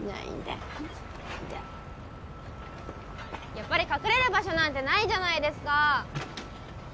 やっぱり隠れる場所なんてないじゃないですか